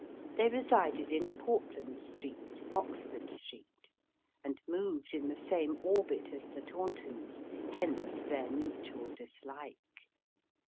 They resided in Portland Street, Oxford Street, and moved in the same orbit as the Tauntons hence their mutual dislike.